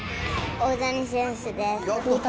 大谷選手です。